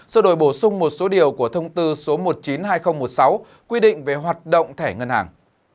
sau đổi bổ sung một số điều của thông tư số một mươi chín hai nghìn một mươi sáu quy định về hoạt động thẻ ngân hàng